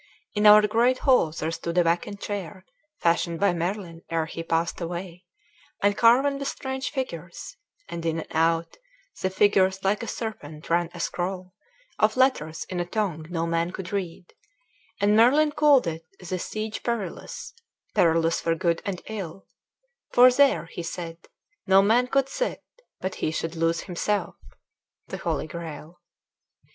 "In our great hall there stood a vacant chair, Fashion'd by Merlin ere he past away, And carven with strange figures; and in and out The figures, like a serpent, ran a scroll Of letters in a tongue no man could read And Merlin call'd it 'The Siege perilous,' Perilous for good and ill; 'for there,' he said, 'No man could sit but he should lose himself.'" The Holy Grail.